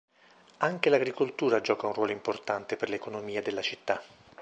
Anche l'agricoltura gioca un ruolo importante per l'economia della città.